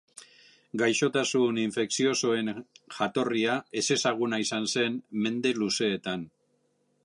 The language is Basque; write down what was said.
Gaixotasun infekziosoen jatorria ezezaguna izan zen mende luzeetan.